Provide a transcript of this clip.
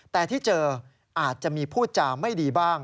แต่ที่เจออาจจะมีพูดจาไม่ดีบ้าง